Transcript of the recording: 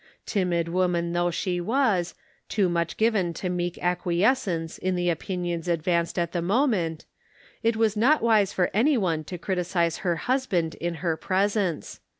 Timid woman though she was, too much given to meek acquiescence in the opinions advanced at the moment, it was not wise for any one to criticise her husband in her presence.